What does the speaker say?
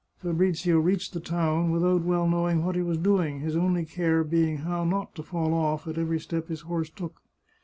Fabrizio reached the town without well know ing what he was doing, his only care being how not to fall off at every step his horse took.